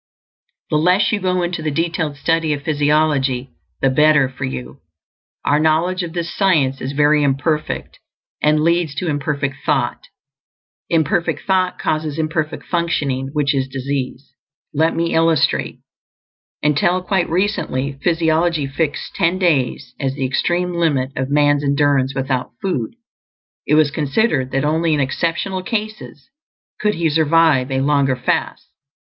The less you go into the detailed study of physiology, the better for you. Our knowledge of this science is very imperfect, and leads to imperfect thought. Imperfect thought causes imperfect functioning, which is disease. Let me illustrate: Until quite recently, physiology fixed ten days as the extreme limit of man's endurance without food; it was considered that only in exceptional cases could he survive a longer fast.